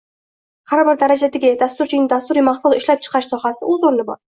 Har bir darajadagi dasturchining dasturiy mahsulot ishlab chiqarish sohasida o’z o’rni bor